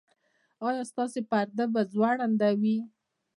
ایا ستاسو پرده به ځوړنده وي؟